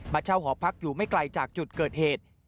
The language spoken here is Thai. เช่าหอพักอยู่ไม่ไกลจากจุดเกิดเหตุ